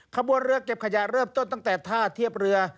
ขบวนเรือเก็บขยะเริ่มต้นตั้งแต่ท่าเทียบเรือ